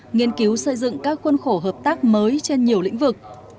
nghiên cứu xây dựng các khuôn khổ hợp tác mới trên nhiều lĩnh vực